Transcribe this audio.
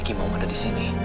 kimau ada di sini